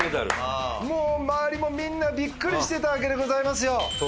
もう周りもみんなビックリしてたわけでございますよ！